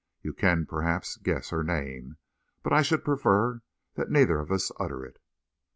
You can, perhaps, guess her name, but I should prefer that neither of us utter it."